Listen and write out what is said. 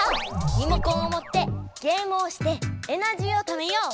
リモコンをもってゲームをしてエナジーをためよう。